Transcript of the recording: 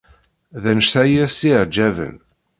D annect-a i as-yetteɛǧaben.